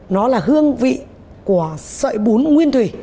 nó là hương vị của sợi bún nguyên thủy